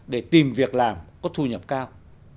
để tìm việc làm có thu nhập cao